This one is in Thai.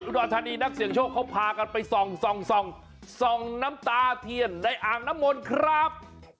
รธานีนักเสียงโชคเขาพากันไปส่องส่องน้ำตาเทียนในอ่างน้ำมนต์ครับ